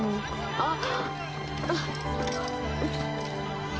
あっ！